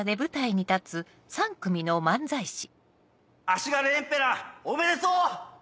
足軽エンペラー！おめでとう！